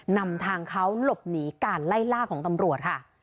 นำทางเขาหลบหนีการไล่ล่าของตำรวจค่ะ